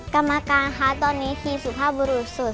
กรรมการคะตอนนี้ทีมสุภาพบุรุษสุด